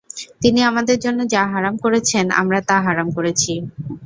তিনি আমাদের জন্য যা হারাম করেছেন আমরা তা হারাম করেছি।